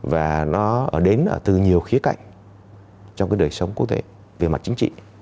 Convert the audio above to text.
và nó đến từ nhiều khía cạnh trong đời sống quốc tế về mặt chính trị